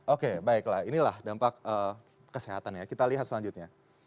oke baiklah inilah dampak kesehatan ya kita lihat selanjutnya